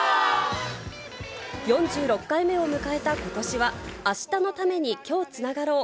４６回目を迎えたことしは、明日のために、今日つながろう。